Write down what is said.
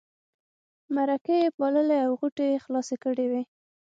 مرکې یې پاللې او غوټې یې خلاصې کړې وې.